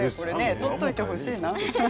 取っておいてほしいな。